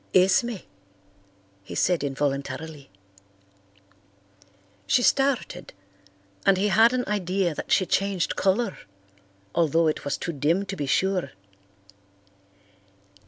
"Esme!" he said involuntarily. She started, and he had an idea that she changed colour, although it was too dim to be sure.